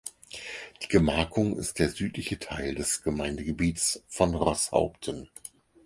Die Gemarkung ist der südliche Teil des Gemeindegebiets von Roßhaupten.